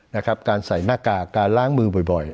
นะครับการใส่หน้ากากการล้างมือบ่อย